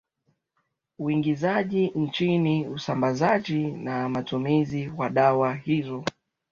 uingizaji nchini usambazaji na matumizi wa dawa hizo